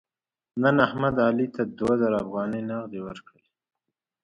نن احمد علي ته دوه زره افغانۍ نغدې ورکړلې.